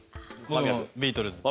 あっビートルズ。